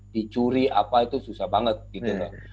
dicuri apa itu susah banget gitu loh